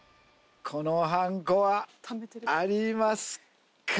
このはんこはありますか？